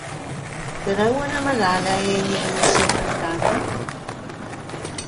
¿Què deuen amagar la enya i la ce trencada?